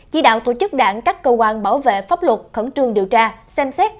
chỉ đạo tổ chức đảng các cơ quan bảo vệ pháp luật khẩn trương điều tra xem xét